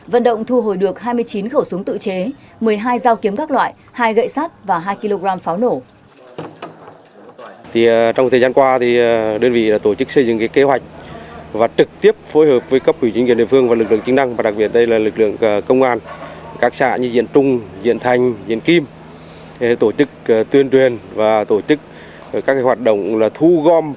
vận động thu hồi được hai mươi chín khẩu súng tự chế một mươi hai dao kiếm các loại hai gậy sát và hai kg pháo nổ